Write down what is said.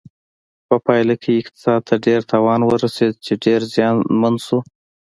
په پایله کې اقتصاد ته ډیر تاوان ورسېده چې ډېر زیانمن شو.